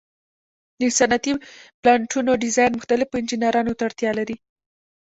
د صنعتي پلانټونو ډیزاین مختلفو انجینرانو ته اړتیا لري.